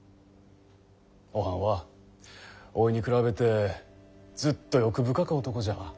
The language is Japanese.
おはんはおいに比べてずっと欲深か男じゃ。